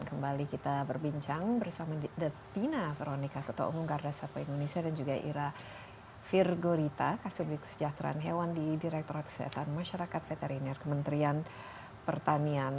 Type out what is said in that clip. kembali kita berbincang bersama detina veronica ketua umum garda satwa indonesia dan juga ira firgorita kasubri kesejahteraan hewan di direkturat kesehatan masyarakat veteriner kementerian pertanian